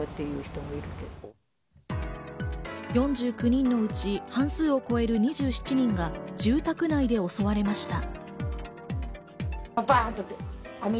４９人のうち半数を超える２７人が住宅内で襲われました。